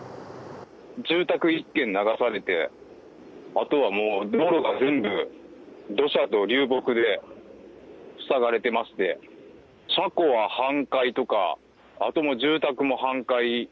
住宅１軒流されて、あとはもう道路が全部、土砂と流木で塞がれてまして、車庫は半壊とか、あともう住宅も半壊。